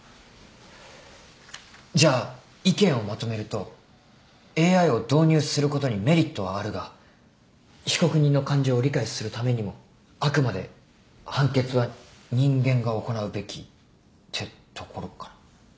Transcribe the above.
じゃあ意見をまとめるとＡＩを導入することにメリットはあるが被告人の感情を理解するためにもあくまで判決は人間が行うべきってところかな？